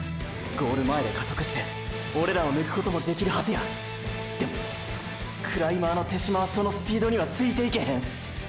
ゴール前で加速してオレらを抜くこともできるはずや。でもーークライマーの手嶋はそのスピードにはついていけへん。